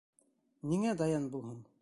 Ниңә Даян булһын?